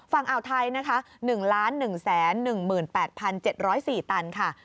ฝั่งอ่าวไทยนะคะ๑๑๑๘๗๐๔ตันค่ะ